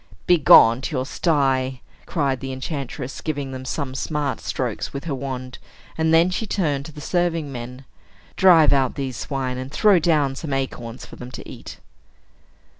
"Begone to your sty!" cried the enchantress, giving them some smart strokes with her wand; and then she turned to the serving men "Drive out these swine, and throw down some acorns for them to eat."